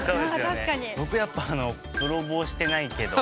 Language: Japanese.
僕やっぱ「泥棒してないけど」。